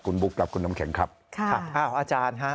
คุณบุ๊คครับคุณน้ำแข็งครับค่ะครับอ้าวอาจารย์ฮะ